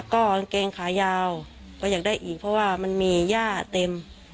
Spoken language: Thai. ก็กางเกงขายาวก็อยากได้อีกเพราะว่ามันมีย่าเต็ม